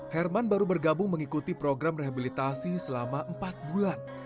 herman baru bergabung mengikuti program rehabilitasi selama empat bulan